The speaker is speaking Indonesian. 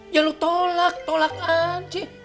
ya lo tolak tolakan sih